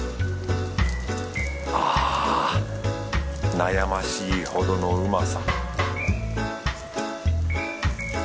悩ましいほどのうまさ